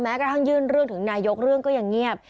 กระทั่งยื่นเรื่องถึงนายกเรื่องก็ยังเงียบ